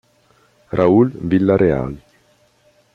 Raúl Villarreal